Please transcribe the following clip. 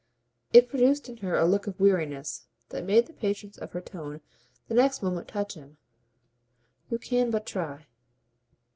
It produced in her a look of weariness that made the patience of her tone the next moment touch him. "You can but try."